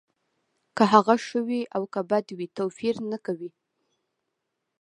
که هغه ښه وي او که بد وي توپیر نه کوي